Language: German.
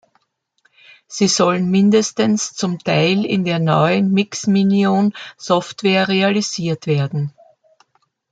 Sie sollen mindestens zum Teil in der neuen Mixminion-Software realisiert werden.